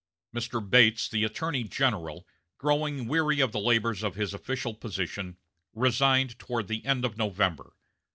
Mr. Bates, the attorney general, growing weary of the labors of his official position, resigned toward the end of November.